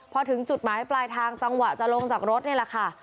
พอถึงจุดหมายปลายทางจังหวะจะลงจากรถนี่แหละค่ะ